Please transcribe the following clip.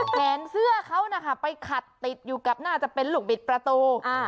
แขนเสื้อเขานะคะไปขัดติดอยู่กับน่าจะเป็นลูกบิดประตู